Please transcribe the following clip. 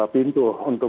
pintu untuk pihak kpk untuk